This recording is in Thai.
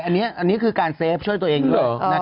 อันนี้คือการเซฟช่วยตัวเองด้วย